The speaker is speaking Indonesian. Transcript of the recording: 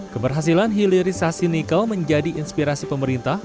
keberhasilan hilirisasi nikel menjadi inspirasi pemerintah